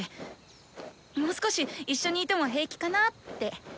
もう少し一緒にいても平気かなって。